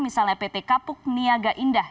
misalnya pt kapuk niaga indah